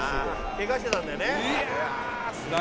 「ケガしてたんだよね」